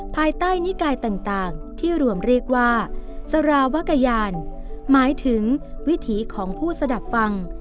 ภายใต้นิกายต่างที่รวมเรียกว่าสารวกยานหมายถึงวิถีของผู้สดับฟัง